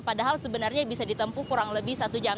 padahal sebenarnya bisa ditempuh kurang lebih satu jam